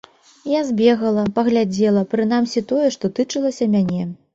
Я збегала, паглядзела, прынамсі тое, што тычылася мяне.